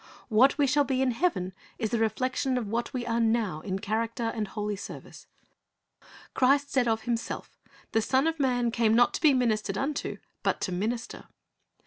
What we shall be in heaven is the reflection of what we are now in character and holy service. Christ said of Himself, "The Son of man came not to be ministered unto, but to minister."